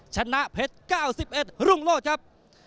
ชนะเพชรเก้าสิบเอ็ดรุ่งโลกครับ